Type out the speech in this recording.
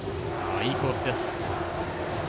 いいコースでした。